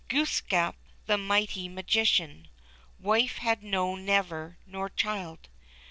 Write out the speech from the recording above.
Glooskap, the mighty magician. Wife had known never, nor child.